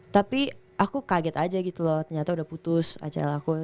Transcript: tapi aku kaget aja gitu loh ternyata udah putus acara aku